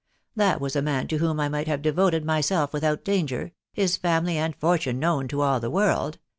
That was a man to whom I might have devoted myself without danger, his family and fortune known to all the world